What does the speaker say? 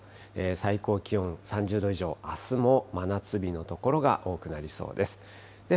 最高気温３０度以上、あすも真夏日の所が多くなりそうです。